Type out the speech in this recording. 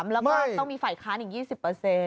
แล้วก็ต้องมีไฝ่ค้านอีก๒๐เปอร์เซ็นต์